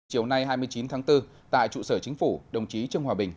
chiều nay hai mươi chín tháng bốn tại trụ sở chính phủ đồng chí trương hòa bình